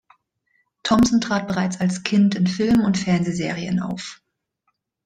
Thompson trat bereits als Kind in Filmen und Fernsehserien auf.